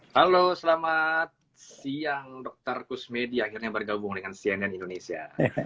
halo selamat siang dr kusmedi akhirnya bergabung dengan cnn indonesia